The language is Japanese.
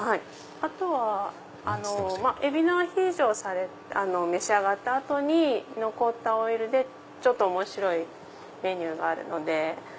あとは海老のアヒージョを召し上がった後に残ったオイルでちょっと面白いメニューがあるので。